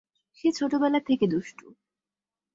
সে ছোটবেলা থেকে দুষ্টু।